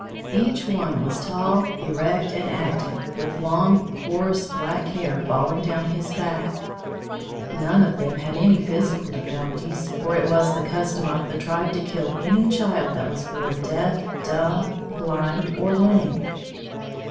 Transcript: Each one was tall, erect, and active, with long, coarse, black hair falling down his back. [Illustration: A WARRIOR] None of them had any physical deformities, for it was the custom of the tribe to kill any child that was born deaf, dumb, blind, or lame.